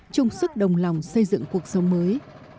trung sức đồng lòng xây dựng cuộc sống mới